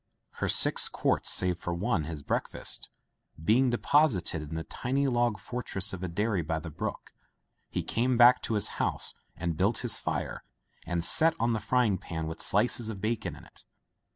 Her six quarts — save one for his break fast — ^being deposited in the tiny log for tress of a dairy by the brook, he came back to his house and built his fire and set on the frying pan with slices of bacon in it.